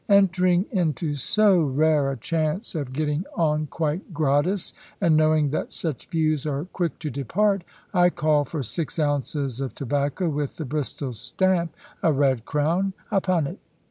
Entering into so rare a chance of getting on quite gratis, and knowing that such views are quick to depart, I called for six oz. of tobacco, with the Bristol stamp (a red crown) upon it.